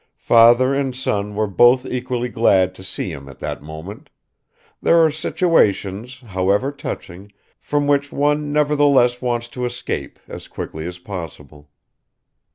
Father and son were both equally glad to see him at that moment; there are situations, however touching, from which one nevertheless wants to escape as quickly as possible.